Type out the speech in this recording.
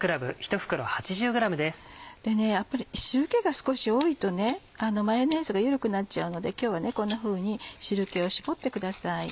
やっぱり汁気が少し多いとマヨネーズが緩くなっちゃうので今日はこんなふうに汁気を絞ってください。